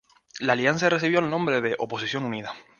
La alianza recibió el nombre de Oposición Unida.